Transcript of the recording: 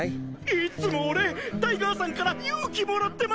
いつも俺タイガーさんから勇気もらってます！